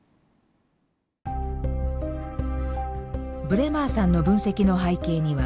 ブレマーさんの分析の背景には